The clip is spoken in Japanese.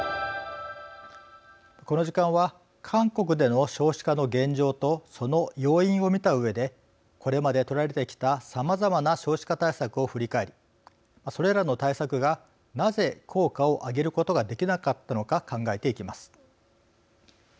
この時間は韓国での少子化の現状とその要因を見たうえでこれまで取られてきたさまざまな少子化対策を振り返りそれらの対策がなぜ効果を上げることができなかったのか考えていきます。